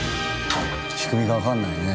仕組みがわからないね。